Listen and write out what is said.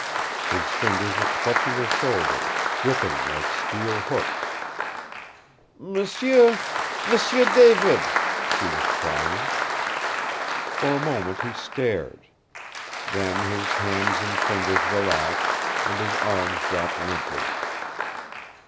His fingers were clutching her shoulders, gripping like steel hooks. "M'sieu M'sieu David!" she was crying. For a moment he stared; then his hands and fingers relaxed, and his arms dropped limply.